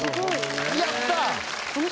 やった。